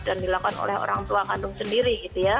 dan dilakukan oleh orang tua kandung sendiri